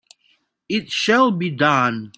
It shall be done!